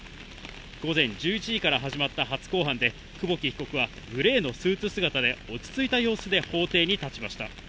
午前１１時から始まった初公判で久保木被告は、グレーのスーツ姿で落ち着いた様子で法廷に立ちました。